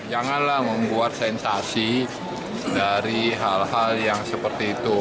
janganlah membuat sensasi dari hal hal yang seperti itu